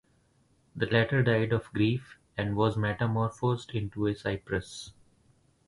The latter died of grief, and was metamorphosed into a cypress.